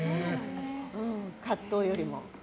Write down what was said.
葛藤よりも。